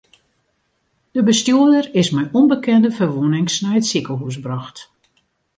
De bestjoerder is mei ûnbekende ferwûnings nei it sikehûs brocht.